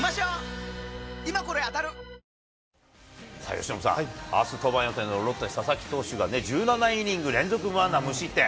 由伸さん、あす登板予定のロッテ、佐々木投手が１７イニング連続無安打無失点。